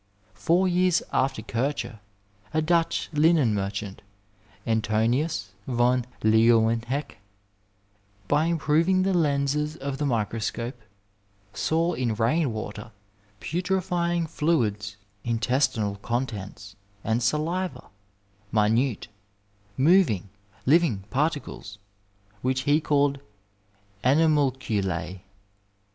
Four years after Kircher a Dutch linen metchant, Antonius von Leeuwenhoek, by improving the lenses of the microscope, saw in rain water, putrefying fluids, intestinal contents, and saliva, minute, moving, living particles, which he called '* animalculaB."